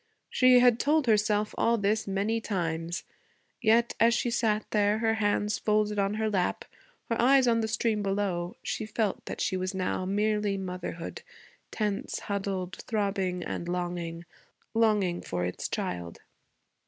She had told herself all this many times; yet, as she sat there, her hands folded on her lap, her eyes on the stream below, she felt that she was now merely motherhood, tense, huddled, throbbing and longing, longing for its child.